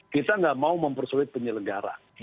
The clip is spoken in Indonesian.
kita nggak mau mempersulit penyelenggara